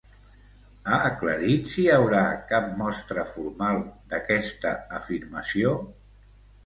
Ha aclarit si hi haurà cap mostra formal d'aquesta afirmació?